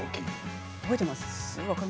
覚えてますか？